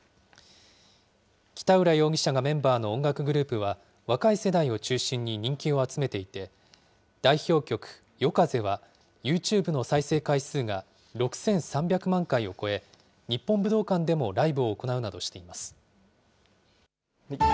北浦容疑者がメンバーの音楽グループは、若い世代を中心に人気を集めていて、代表曲、ＹＯＫＡＺＥはユーチューブの再生回数が６３００万回を超え、日本武道館でもライブを行うなどしています。